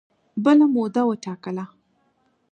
بله موده وټاکله